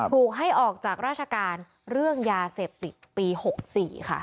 ถูกให้ออกจากราชการเรื่องยาเสพติดปี๖๔ค่ะ